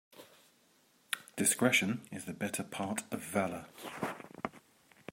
Discretion is the better part of valour.